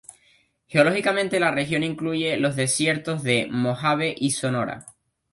Geológicamente, la región incluye los desiertos de Mojave y Sonora.